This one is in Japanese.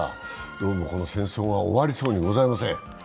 どうもこの戦争が終わりそうにございません。